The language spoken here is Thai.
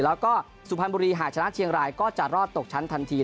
แล้วก็สุพรรณบุรีหากชนะเชียงรายก็จะรอดตกชั้นทันที